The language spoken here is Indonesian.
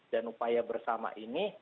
dan upaya bersama ini